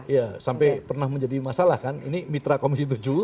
ya sampai pernah menjadi masalah kan ini mitra komisi tujuh